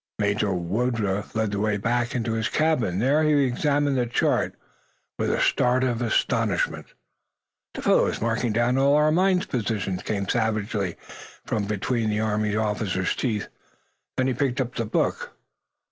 Major Woodruff led the way back into the cabin. There he examined the chart, with a start of astonishment. "The fellow was marking down all our mine positions," came savagely from between the Army officer's teeth. Then he picked up the book.